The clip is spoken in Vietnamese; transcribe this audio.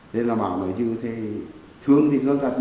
thế là bảo nói như thế thương thì thương